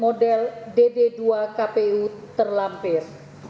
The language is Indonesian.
model dd dua kpu terlampir